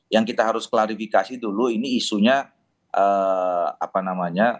yang kita harus klarifikasi dulu ini isunya apa namanya